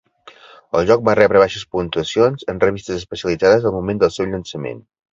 El joc va rebre baixes puntuacions en revistes especialitzades al moment del seu llançament.